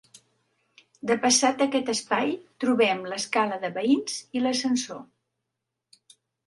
Depassat aquest espai trobem l'escala de veïns i l'ascensor.